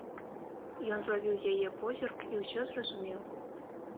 Ён злавіў яе позірк і ўсё зразумеў.